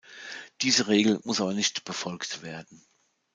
Diese Regel muss aber nicht befolgt werden.